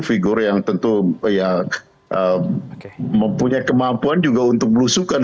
figur yang tentu ya mempunyai kemampuan juga untuk belusukan